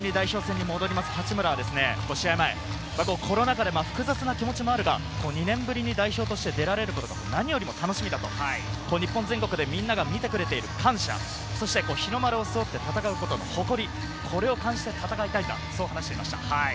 ２年ぶりに代表戦に戻りました八村は試合前、コロナ禍で複雑な気持ちもあるが、２年ぶりに代表として出られることが何よりも楽しみだと、日本全国でみんなが見てくれている感謝、日の丸を背負って戦うことの誇り、それを感じて戦いたいと話していました。